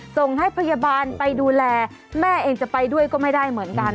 ส่งให้พยาบาลไปดูแลแม่เองจะไปด้วยก็ไม่ได้เหมือนกัน